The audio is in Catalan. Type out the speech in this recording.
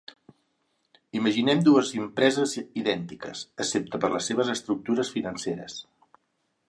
Imaginem dues empreses idèntiques, excepte per les seves estructures financeres.